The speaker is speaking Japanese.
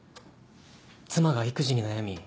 妻が育児に悩み